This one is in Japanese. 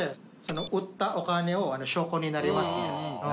売ったお金が証拠になります。